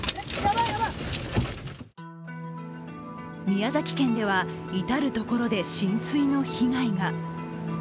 宮崎県では至る所で浸水の被害が。